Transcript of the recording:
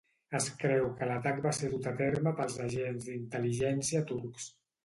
Es creu que l'atac va ser dut a terme pels agents d'intel·ligència turcs.